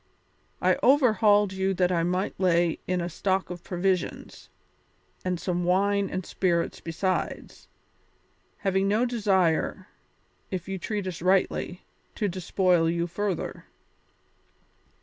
I overhauled you that I might lay in a stock of provisions, and some wine and spirits besides, having no desire, if you treat us rightly, to despoil you further.